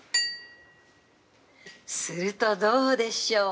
すると、どうでしょう？